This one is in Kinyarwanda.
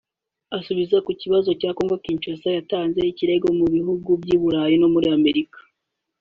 Asubiza ku kibazo cy’uko Congo-Kinshasa yatanze ikirego mu bihugu by’i Burayi na Amerika